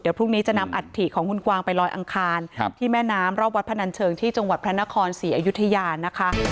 พรุ่งนี้จะนำอัฐิของคุณกวางไปลอยอังคารที่แม่น้ำรอบวัดพนันเชิงที่จังหวัดพระนครศรีอยุธยานะคะ